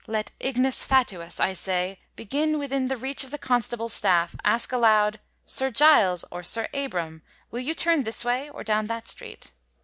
let ignis fatutis, I say, being within the reach of the constable's staff, ask aloud, "Sir Giles"— or Sir Abram,"— " will you turn this way, or down that street?"